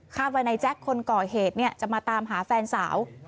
คาดว่านายแจ็คคนก่อยเหตุเนี่ยจะมาตามหาแฟนสาว